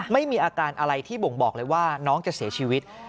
ไม่มีอาการอะไรที่บ่งบอกเลยว่าน้องจะเสียชีวิต